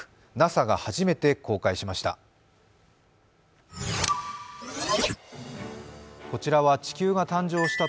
ＮＡＳＡが初めて公開しました。